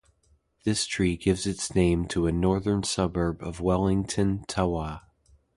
This tree gives its name to a northern suburb of Wellington, Tawa.